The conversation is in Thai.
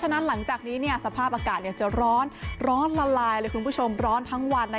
ฉะนั้นหลังจากนี้สภาพอากาศจะร้อนร้อนละลายเลยคุณผู้ชมร้อนทั้งวัน